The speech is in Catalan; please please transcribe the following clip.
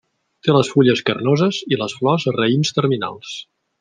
Té les fulles carnoses i les flors a raïms terminals.